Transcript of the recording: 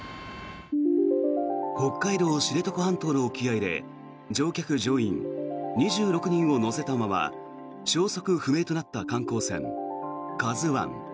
北海道・知床半島の沖合で乗客・乗員２６人を乗せたまま消息不明となった観光船「ＫＡＺＵ１」。